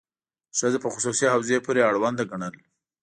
ښځه په خصوصي حوزې پورې اړونده ګڼل.